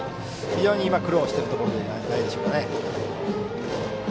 非常に今、苦労しているところではないでしょうか。